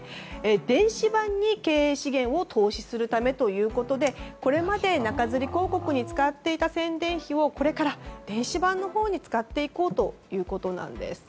電子版に経営資源を投資するためということでこれまで中づり広告に使っていた宣伝費をこれからは電子版のほうに使っていこうということです。